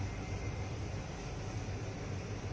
ติดลูกคลุม